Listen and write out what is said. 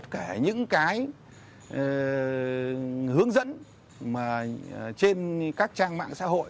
cả những cái hướng dẫn trên các trang mạng xã hội